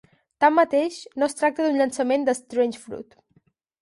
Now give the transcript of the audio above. Tanmateix, no es tracta d'un llançament de Strange Fruit.